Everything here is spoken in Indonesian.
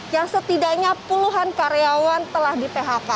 yang setidaknya puluhan karyawan telah di phk